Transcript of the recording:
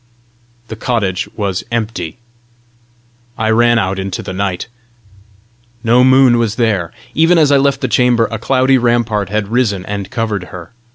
The cottage was empty. I ran out into the night. No moon was there! Even as I left the chamber, a cloudy rampart had risen and covered her.